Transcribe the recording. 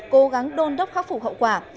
cố gắng đôn đốc khắc phục hậu quả